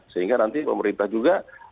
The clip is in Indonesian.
sehingga nanti pemerintah juga